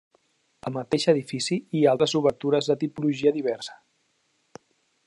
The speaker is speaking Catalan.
Al mateix edifici hi ha altres obertures de tipologia diversa.